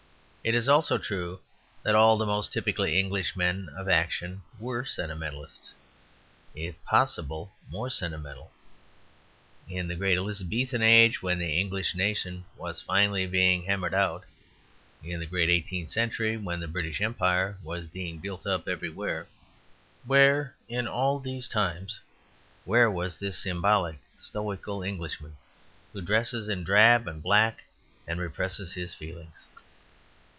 It is also true that all the most typically English men of action were sentimentalists, if possible, more sentimental. In the great Elizabethan age, when the English nation was finally hammered out, in the great eighteenth century when the British Empire was being built up everywhere, where in all these times, where was this symbolic stoical Englishman who dresses in drab and black and represses his feelings?